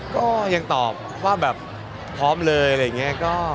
ก็ยังตอบว่าแบบพร้อมเลยอะไรอย่างนี้